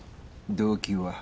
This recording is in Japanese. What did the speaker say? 動機は？